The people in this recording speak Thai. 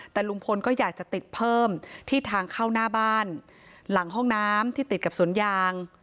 แต่ลุงพลก็อยากจะติดเพิ่มที่ทางเข้าหน้าบ้านหลังห้องน้ำที่ติดกับสวนยาง